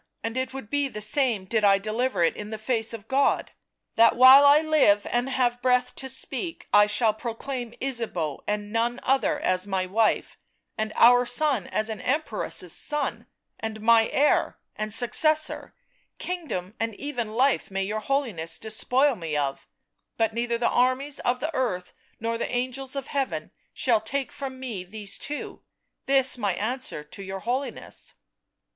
" And it would be the same did I deliver it in the face of God — that while I live and have breath to speak, I shall proclaim Ysabeau and none other as my wife, and our son as an Empress's son, and my heir and successor ; kingdom and even life may your Holiness despoil me of — but neither the armies of the earth nor the angels of heaven shall take from me these two — this my answer to your Holiness."